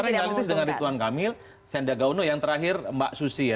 paling analitis dengan rituan kamil senda gauno yang terakhir mbak susi ya